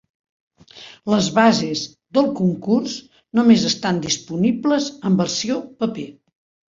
Les bases del concurs només estan disponibles en versió paper.